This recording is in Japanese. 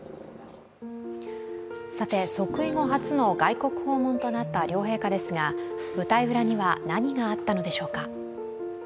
さて、即位後初の外国訪問となった両陛下ですが、舞台裏には何があったのでしょうか？